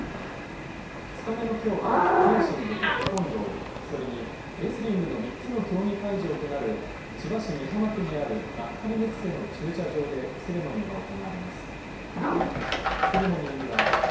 ２日目のきょうはフェンシングとテコンドー、それにレスリングの３つの競技会場となる、千葉市美浜区にある幕張メッセの駐車場で、セレモニーが行われます。